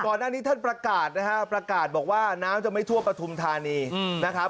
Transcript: ก่อนหน้านี้ท่านประกาศนะฮะประกาศบอกว่าน้ำจะไม่ทั่วปฐุมธานีนะครับ